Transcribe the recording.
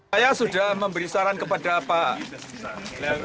saya sudah memberi saran kepada pak